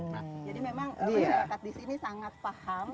jadi memang disini sangat paham